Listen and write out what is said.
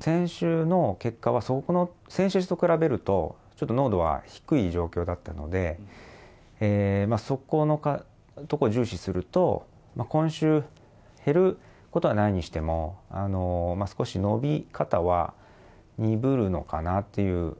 先週の結果は先々週と比べると、ちょっと濃度は低い状況だったので、そこのところを重視すると、今週減ることはないにしても、少し伸び方は鈍るのかなっていう。